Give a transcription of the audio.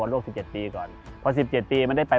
แล้ว๒๐ปีมันก็ได้ไป